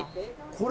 これ。